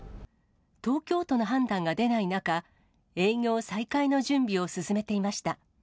東京都の判断が出ない中、営業再開の準備を進めていました。